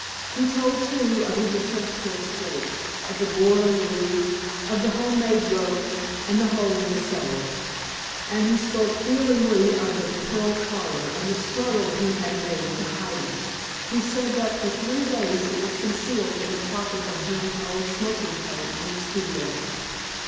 He told, too, of his attempts to escape, of the board on the roof, of the home made rope, and the hole in the cellar, and he spoke feelingly of the pearl collar and the struggle he had made to hide it. He said that for three days it was concealed in the pocket of Jim's old smoking coat in the studio.